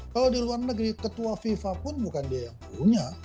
kalau di luar negeri ketua fifa pun bukan dia yang punya